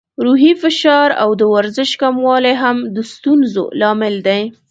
روحي فشار او د ورزش کموالی هم د ستونزو لامل دی.